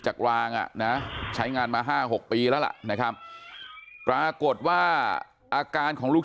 กลางอ่ะนะใช้งานมา๕๖ปีแล้วล่ะนะครับปรากฏว่าอาการของลูก